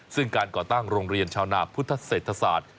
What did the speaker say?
ซึ่งการก่อตั้งโรงเรียนชาวนาพุทธเศรษฐศาสตร์